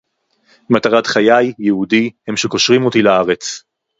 מטרת חיי, ייעודי, הם שקושרים אותי לארץ.